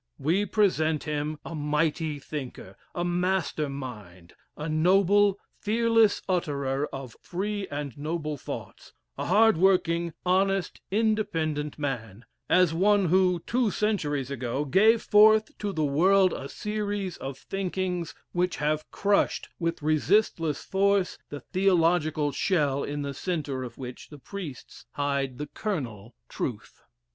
We present him a mighty thinker, a master mind, a noble, fearless utterer of free and noble thoughts, a hard working, honest, independent man; as one who, two centuries ago, gave forth to the world a series of thinkings which have crushed, with resistless force, the theological shell in the centre of which the priests hide the kernel "truth."